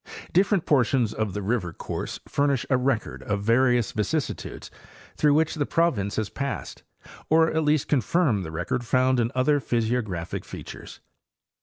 Different portions of the river course furnish a record of the various vicissitudes through which the province has passed, or at least confirm the record found in other physio Tistory of the Tennessee River. 121 graphic features.